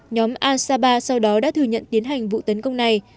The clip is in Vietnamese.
nhóm al saba sau đó đã thừa nhận tiến hành vụ tấn công này